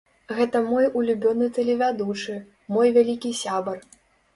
Гэта мой улюбёны тэлевядучы, мой вялікі сябар.